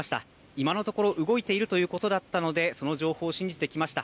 今のところ、動いているということだったので、その情報を信じてきました。